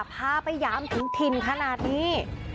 พาไปหยามถึงถิ่นขนาดนี้